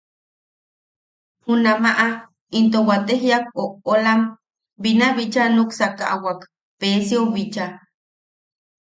Junamaʼa into waate jiak oʼolam binabicha nuksakaʼawak Pesiou bicha.